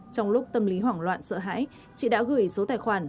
trong lúc tâm lý hoảng loạn sợ hãi chị đã gửi số tài khoản